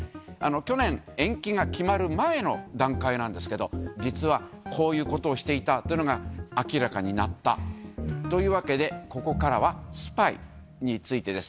去年、延期が決まる前の段階なんですけど、実は、こういうことをしていたというのが明らかになったというわけで、ここからはスパイについてです。